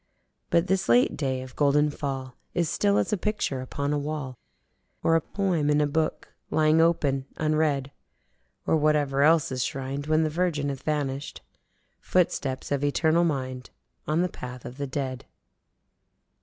But this late day of golden fall is still as a picture upon a wall or a poem in a book lying open unread. Or whatever else is shrined when the Virgin hath vanishèd: Footsteps of eternal Mind on the path of the dead.